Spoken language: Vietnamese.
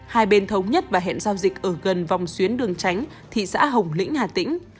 hai bên thống nhất và hẹn giao dịch ở gần vòng xuyến đường tránh thị xã hồng lĩnh hà tĩnh